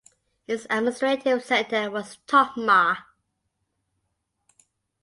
Its administrative centre was Totma.